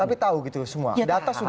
tapi tahu gitu semua data sudah ada semua